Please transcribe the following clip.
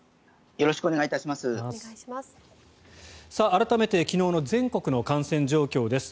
改めて昨日の全国の感染状況です。